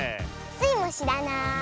スイもしらない。